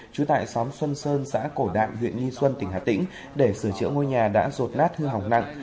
trú tại xóm xuân sơn xã cổ đạm huyện nghi xuân tỉnh hà tĩnh để sửa chữa ngôi nhà đã rột nát hư hỏng nặng